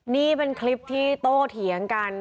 นี่เป็นคลิปที่โตเถียงกัน